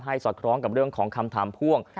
สอดคล้องกับเรื่องของคำถามพ่วง